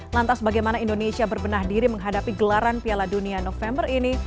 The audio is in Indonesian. lantas bagaimana indonesia berbenah diri menghadapi gelaran piala dunia november ini